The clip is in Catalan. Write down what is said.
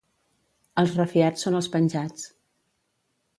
Els refiats són els penjats.